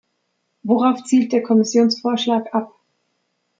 Worauf zielt der Kommissionsvorschlag ab?